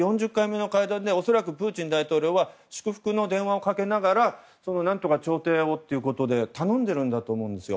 恐らくプーチン大統領は祝福の電話を掛けながら何とか調停をということで頼んでいるんだと思うんです。